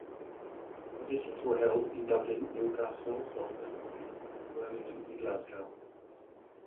Auditions were held in Dublin, Newcastle, London, Leeds, Birmingham and Glasgow.